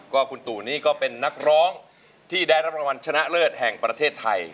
ก็คุณตู่นี่ก็เป็นนักร้องที่ได้รับรางวัลชนะเลิศแห่งประเทศไทย